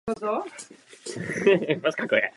Muzeum se zaměřuje na arménskou kulturu.